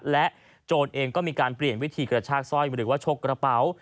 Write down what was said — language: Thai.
และโจรเองก็มีการเปลี่ยนวิธีกระชากสร้อยหรือว่าชกกระเป๋า